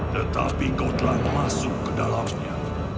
tetapi kau telah masuk ke dalamnya